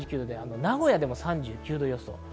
名古屋でも３９度予想です。